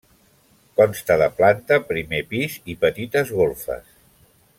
Consta de planta, primer pis i petites golfes.